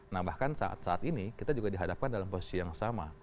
nah bahkan saat saat ini kita juga dihadapkan dalam posisi yang sama